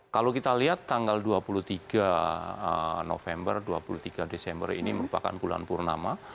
kalau kita lihat tanggal dua puluh tiga november dua puluh tiga desember ini merupakan bulan purnama